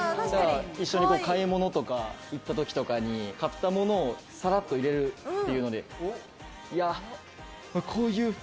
一緒に買い物とか行った時に、買ったものをさらっと入れるっていう。